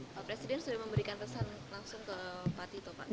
pak presiden sudah memberikan pesan langsung ke pak tito pak